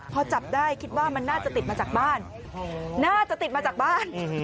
พอจับได้คิดว่ามันน่าจะติดมาจากบ้านน่าจะติดมาจากบ้าน